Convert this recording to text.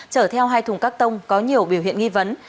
chở theo hai thùng các tông có nhiều biểu hiện nghi vấn